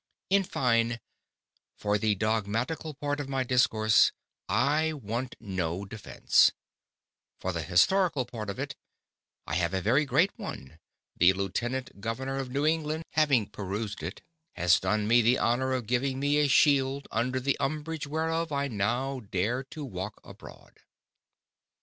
In fine: For the Dogmatical part of my Discourse, I want no Defence; for the Historical part of it, I have a Very Great One; the Lieutenant Governour of New England having perused it, has done me the Honour of giving me a Shield, under the Umbrage whereof I now dare to walk abroad.